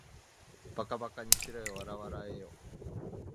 馬鹿ばかにしろよ、笑わらえよ